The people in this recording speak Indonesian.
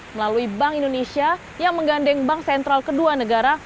melalui bank indonesia yang menggandeng bank sentral kedua negara